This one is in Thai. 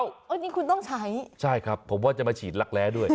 อันนี้คุณต้องใช้ใช่ครับผมว่าจะมาฉีดลักแร้ด้วย